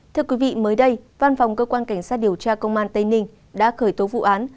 thưa quý vị mới đây văn phòng cơ quan cảnh sát điều tra công an tây ninh đã khởi tố vụ án